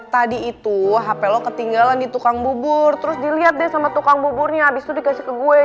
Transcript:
tadi itu h pelo ketinggalan di tukang bubur terus dilihat deh sama tukang buburnya abis itu dikasih ke gue